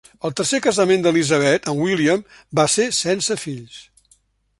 El tercer casament d'Elizabeth, amb William, va ser sense fills.